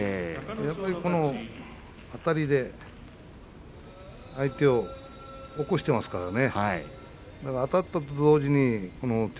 このあたりで相手を起こしていますからね。